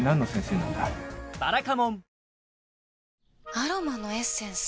アロマのエッセンス？